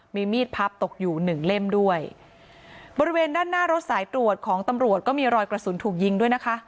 มีมีดพับตกอยู่หนึ่งเล่มด้วยบริเวณด้านหน้ารถสายตรวจของตำรวจก็มีรอยกระสุนถูกยิงด้วยนะคะ